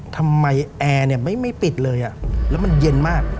ทำไมแอร์ไม่ปิดเลยแล้วมันเย็นมาก